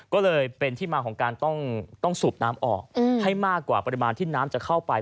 ก็เลยเป็นที่มาของการต้องสูบน้ำออกให้มากกว่าปริมาณที่น้ำจะเข้าไป